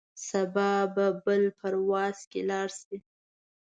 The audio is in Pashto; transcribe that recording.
سبا به بل پرواز کې لاړ شې.